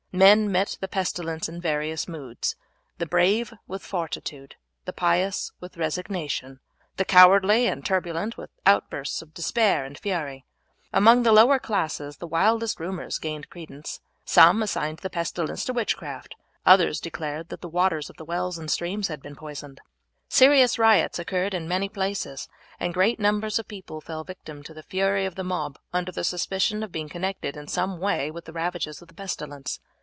Men met the pestilence in various moods: the brave with fortitude, the pious with resignation, the cowardly and turbulent with outbursts of despair and fury. Among the lower classes the wildest rumours gained credence. Some assigned the pestilence to witchcraft, others declared that the waters of the wells and streams had been poisoned. Serious riots occurred in many places, and great numbers of people fell victims to the fury of the mob under the suspicion of being connected in some way with the ravages of the pestilence.